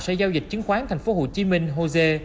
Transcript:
sẽ giao dịch chứng khoán thành phố hồ chí minh hồ dê